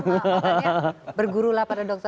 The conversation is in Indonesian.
makannya bergurulah pada dokter